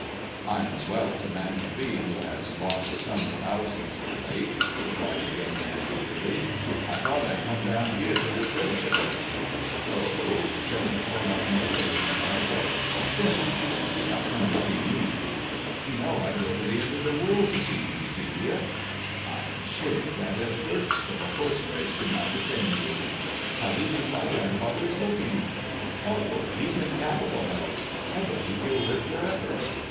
" I'm as well as a man can be who has lost some thou sands of late," replied the young man moodily. I thought I'd come down here to retrench a bit." " Oh !" said Miss Lelanro, raising her eyebrows, " then you did not come to see me 1 "" You know I'd go to the end of the world to see you, Celia." " I am sure of that, Edgar — if a horse race did not detain you. How do you think my grandfather is looking ]" "Oh, he's in capital health. I believe he'll live for ever."